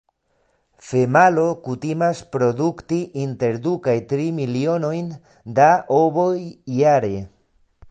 Femalo kutimas produkti inter du kaj tri milionojn da ovoj jare.